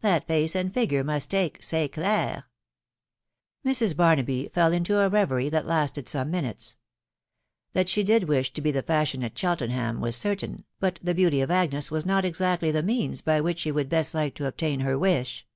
That face and figure must take, say dare," Mrs. Barnaby fell into a reverie that lasted some "I'nnfrf, That she did wish to be the fashion at Cheltenham was certain, but the beauty of Agnes was not exactly the means by which she would best like to obtain her wish.